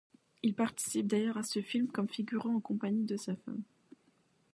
Il participe d'ailleurs à ce film comme figurant, en compagnie de sa femme.